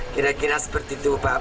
kira kira seperti itu pak